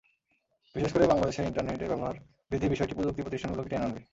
বিশেষ করে বাংলাদেশে ইন্টারনেটের ব্যবহার বৃদ্ধির বিষয়টি প্রযুক্তি প্রতিষ্ঠানগুলোকে টেনে আনবে।